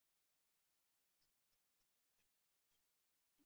育有一子一女。